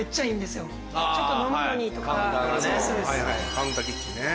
カウンターキッチンね。